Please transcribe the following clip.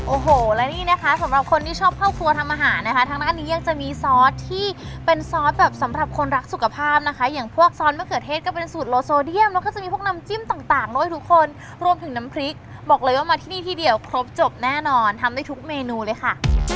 โอ้โหและนี่นะคะสำหรับคนที่ชอบเข้าครัวทำอาหารนะคะทางด้านนี้ยังจะมีซอสที่เป็นซอสแบบสำหรับคนรักสุขภาพนะคะอย่างพวกซอสมะเขือเทศก็เป็นสูตรโลโซเดียมแล้วก็จะมีพวกน้ำจิ้มต่างด้วยทุกคนรวมถึงน้ำพริกบอกเลยว่ามาที่นี่ที่เดียวครบจบแน่นอนทำได้ทุกเมนูเลยค่ะ